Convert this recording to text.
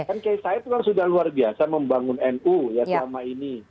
kan kisahnya itu kan sudah luar biasa membangun nu ya selama ini